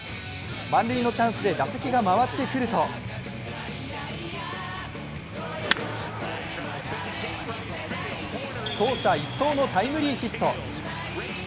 満塁のチャンスで打席が回ってくると走者一掃のタイムリーヒット。